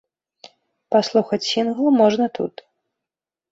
Паслухаць сінгл можна тут.